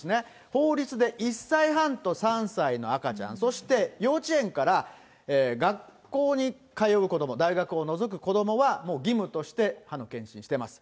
法律で１歳半と３歳の赤ちゃん、そして幼稚園から学校に通う子ども、大学を除く子どもは、もう義務として、歯の健診してます。